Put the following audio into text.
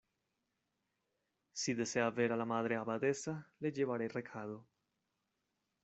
si desea ver a la Madre Abadesa, le llevaré recado.